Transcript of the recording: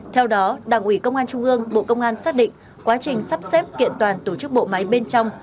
theo đó đảng ủy công an trung ương bộ công an xác định quá trình sắp xếp kiện toàn tổ chức bộ máy bên trong